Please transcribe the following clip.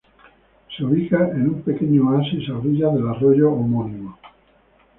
Se ubica en un pequeño oasis a orillas del arroyo homónimo.